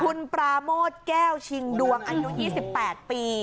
คุณปราโมทแก้วชิงดวงอายุ๒๘ปี